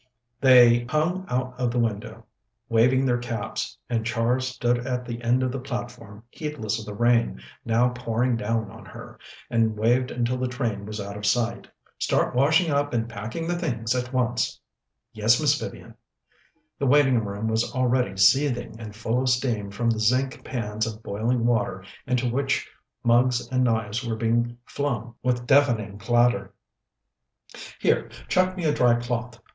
They hung out of the window, waving their caps, and Char stood at the end of the platform, heedless of the rain now pouring down on her, and waved until the train was out of sight. "Start washing up and packing the things at once." "Yes, Miss Vivian." The waiting room was already seething and full of steam from the zinc pans of boiling water into which mugs and knives were being flung with deafening clatter. "Here, chuck me a dry cloth!